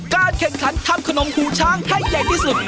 การแข่งขันทำขนมหูช้างให้ใหญ่ที่สุด